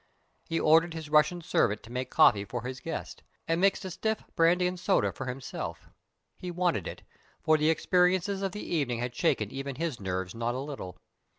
He ordered his Russian servant to make coffee for his guest, and mixed a stiff brandy and soda for himself. He wanted it, for the experiences of the evening had shaken even his nerves not a little.